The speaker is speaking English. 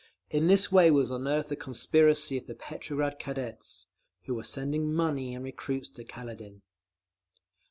In this way was unearthed the conspiracy of the Petrograd Cadets, who were sending money and recruits to Kaledin….